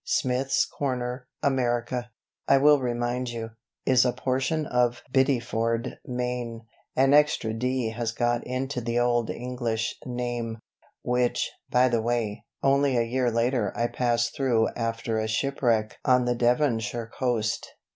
Smith's Cor., America, I will remind you, is a portion of Biddeford, Me. An extra "d" has got into the old English name which, by the way, only a year later I passed through after a shipwreck on the Devonshire coast.